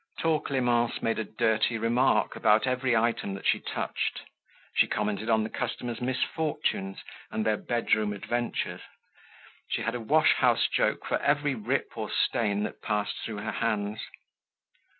Tall Clemence made a dirty remark about every item that she touched. She commented on the customers' misfortunes and their bedroom adventures. She had a wash house joke for every rip or stain that passed through her hands.